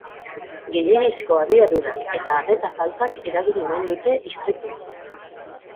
Gehiegizko abiadurak eta arreta faltak eragin omen dute istripua.